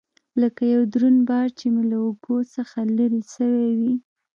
لکه يو دروند بار مې چې له اوږو څخه لرې سوى وي.